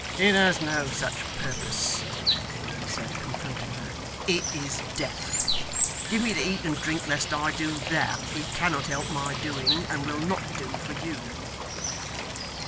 'It has no such purpose,' he said, confronting her. 'It is deaf. Give me to eat and drink, lest I do that it cannot help my doing, and will not do for you.